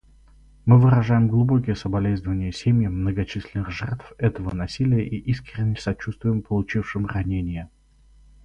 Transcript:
Мы выражаем глубокие соболезнования семьям многочисленных жертв этого насилия и искреннее сочувствие получившим ранения.